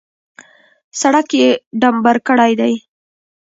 سړک یې ډامبر کړی دی.